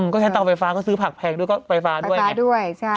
ก็ใช้เตาไฟฟ้าก็ซื้อผักแพงด้วยก็ไฟฟ้าด้วยไฟฟ้าด้วย